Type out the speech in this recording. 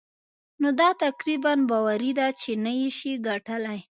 نو دا تقريباً باوري ده چې نه يې شې ګټلای.